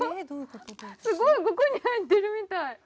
すごいここに入ってるみたい！